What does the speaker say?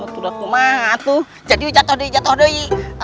tuh maaf tuh jadi jatoh doi jatoh doi